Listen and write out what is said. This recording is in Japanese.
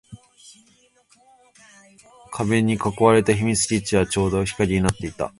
生垣と壁に囲われた秘密基地はちょうど日陰になっていた